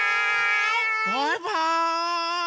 バイバーイ！